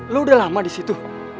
lu udah lama disitu